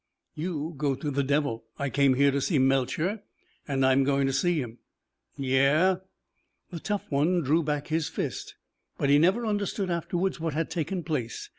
"You go to the devil. I came here to see Melcher and I'm going to see him." "Yeah?" The tough one drew back his fist, but he never understood afterwards what had taken place.